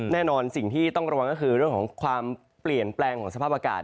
แน่นอนสิ่งที่ต้องระวังก็คือเรื่องของความเปลี่ยนแปลงของสภาพอากาศ